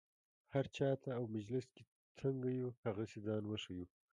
هر چا ته او مجلس کې څنګه یو هغسې ځان وښیو.